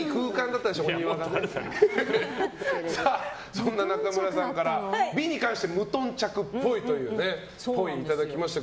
そんな中村さんから美に関して無頓着っぽいというぽいをいただきました。